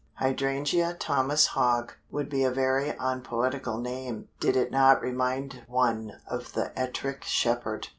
Hydrangea Thomas Hogg would be a very unpoetical name did it not remind one of "The Ettrick Shepherd."